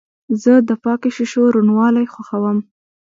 زه د پاکو شیشو روڼوالی خوښوم.